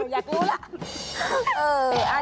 อยากรู้ล่ะ